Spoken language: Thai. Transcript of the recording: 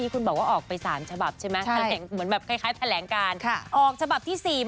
เข้ามาที่สามฉบับ